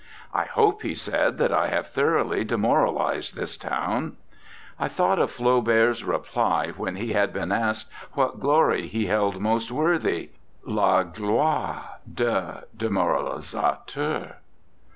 "I hope," he said, "that I have thoroughly demoralised this town." I thought of Flaubert's reply, when he had been asked what glory he held most worthy "La gloire de demoralisateur."